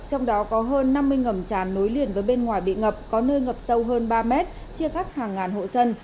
trong đó có hơn năm mươi ngầm tràn nối liền với bên ngoài bị ngập có nơi ngập sâu hơn ba mét chia cắt hàng ngàn hộ dân